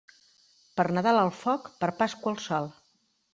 Per Nadal al foc, per Pasqua al sol.